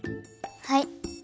はい。